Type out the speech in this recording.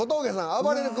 あばれる君。